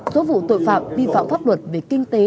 số vụ tội phạm vi phạm pháp luật về kinh tế